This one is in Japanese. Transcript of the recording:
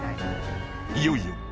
［いよいよ］